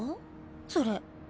それ。